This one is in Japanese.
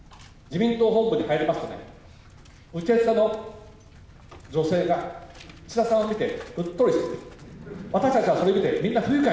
自民党本部に入りますとね、受付の女性が、岸田さんを見て、うっとりしてる。